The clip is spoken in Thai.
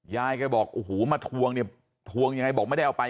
ยายแกบอกโอ้โหมาทวงเนี่ยทวงยังไงบอกไม่ได้เอาไป